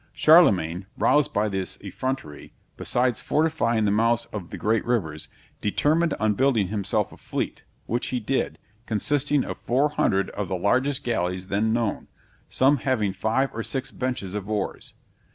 Charlemagne, roused by this effrontery, besides fortifying the mouths of the great rivers, determined on building himself a fleet, which he did, consisting of 400 of the largest galleys then known, some having five or six benches of oars.